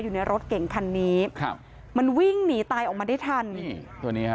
อยู่ในรถเก่งคันนี้ครับมันวิ่งหนีตายออกมาได้ทันนี่ตัวนี้ฮะ